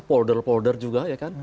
polder polder juga ya kan